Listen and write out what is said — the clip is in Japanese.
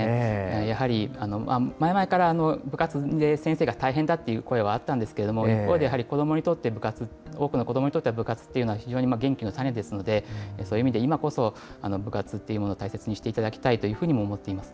やはり前々から部活で先生が大変だっていう声はあったんですけれども、一方で子どもにとって部活、多くの子どもにとって部活っていうのは非常に元気の種ですので、そういう意味で今こそ、部活というものを大切にしていただきたいというふうにも思っています。